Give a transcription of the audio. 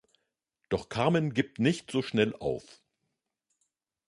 Doch Carmen gibt nicht so schnell auf.